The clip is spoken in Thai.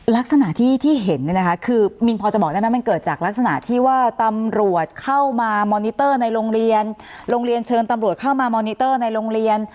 ลักษณะที่เห็นเนี่ยนะคะคือมินพอจะบอกได้ไหมมันเกิดจากลักษณะที่ว่าตำรวจเข้ามามอนิเตอร์ในโรงเรียนโรงเรียนเชิญตำรวจเข้ามามอนิเตอร์ในโรงเรียน